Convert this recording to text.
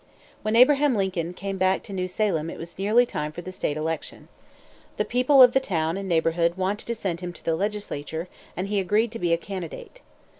When Abraham Lincoln came back to New Salem it was nearly time for the state election. The people of the town and neighborhood wanted to send him to the legislature, and he agreed to be a candidate.